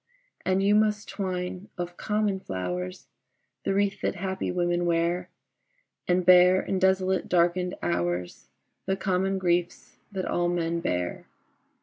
And you must twine of common flowers The wreath that happy women wear, And bear in desolate darkened hours The common griefs that all men bear.